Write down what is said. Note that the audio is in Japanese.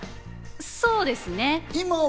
そうですね。